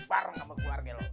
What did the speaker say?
bareng sama keluarga lo